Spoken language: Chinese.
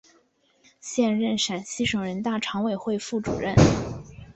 现任陕西省人大常委会副主任。